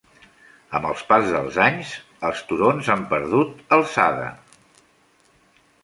Amb el pas dels anys, els turons han perdut altura.